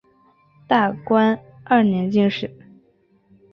大观二年进士。